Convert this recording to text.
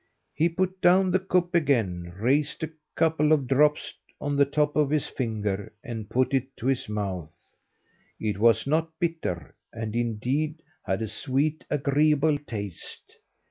He put down the cup again, raised a couple of drops on the top of his finger, and put it to his mouth. It was not bitter, and, indeed, had a sweet, agreeable taste.